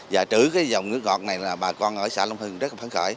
và trữ cái dòng nước ngọt này là bà con ở xã long hưng rất là phấn khởi